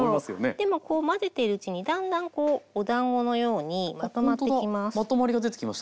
でもこう混ぜてるうちにだんだんこうおだんごのようにまとまってきます。